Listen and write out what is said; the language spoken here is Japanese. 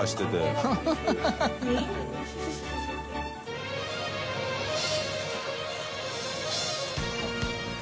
ハハハ